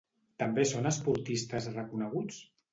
També són esportistes reconeguts?